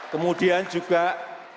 kemudian juga kualitas pendidikannya